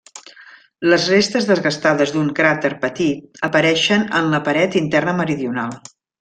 Les restes desgastades d'un cràter petit apareixen en la paret interna meridional.